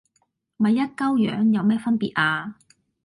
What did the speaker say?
咪一鳩樣，有咩分別呀